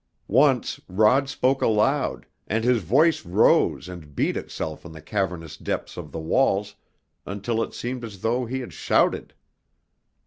Once Rod spoke aloud, and his voice rose and beat itself in the cavernous depths of the walls until it seemed as though he had shouted.